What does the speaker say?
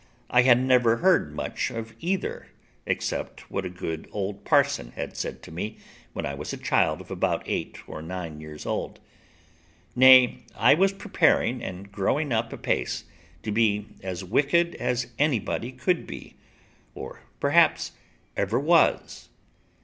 I had never heard much of either, except what a good old parson had said to me when I was a child of about eight or nine years old; nay, I was preparing and growing up apace to be as wicked as anybody could be, or perhaps ever was.